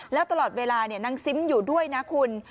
แล้วตลอดเวลานางซิมอยู่ด้วยนะคุณ